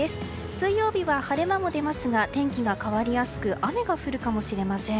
水曜日は晴れ間も出ますが天気が変わりやすく雨が降るかもしれません。